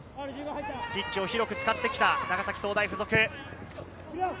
ピッチを広く使ってきた長崎総大附属。